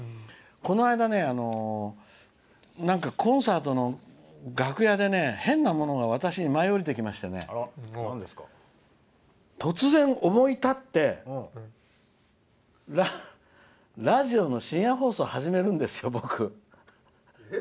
この間、コンサートの楽屋で変なものが私に舞い降りてきましてね突然、思い立ってラジオの深夜放送を始めるんですよ、僕。